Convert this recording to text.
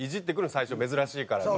最初珍しいから。